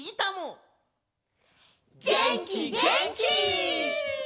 げんきげんき！